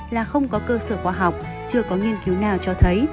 là không có cơ sở khoa học chưa có nghiên cứu nào cho thấy